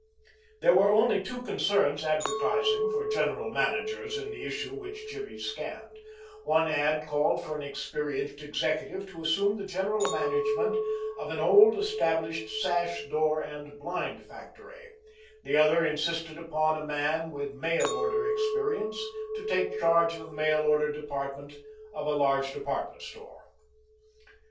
There were only two concerns advertising for general managers in the issue which Jimmy scanned; one ad called for an experienced executive to assume the general management of an old established sash, door and blind factory; the other insisted upon a man with mail order experience to take charge of the mail order department of a large department store.